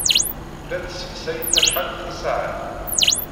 Llant sseqsayent acḥal tasaɛet.